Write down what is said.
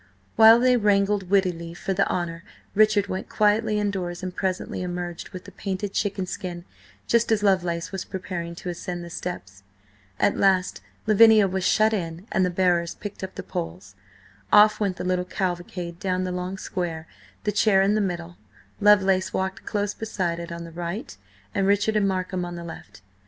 While they wrangled wittily for the honour, Richard went quietly indoors and presently emerged with the painted chicken skin, just as Lovelace was preparing to ascend the steps. At last Lavinia was shut in and the bearers picked up the poles. Off went the little cavalcade down the long square, the chair in the middle. Lovelace walked close beside it on the right, and Richard and Markham on the left.